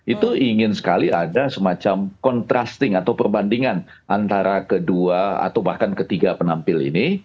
itu ingin sekali ada semacam contrasting atau perbandingan antara kedua atau bahkan ketiga penampil ini